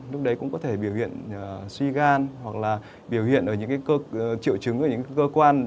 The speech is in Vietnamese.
lúc đấy cũng có thể biểu hiện suy gan hoặc là biểu hiện ở những triệu chứng ở những cơ quan